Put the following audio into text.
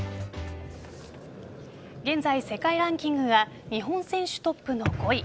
現在、世界ランキングが日本選手トップの５位。